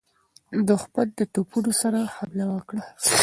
دښمن د توپونو سره حمله وکړه.